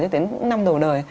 cho đến năm đầu đời